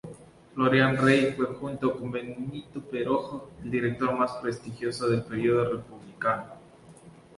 Florián Rey fue, junto con Benito Perojo, el director más prestigioso del período republicano.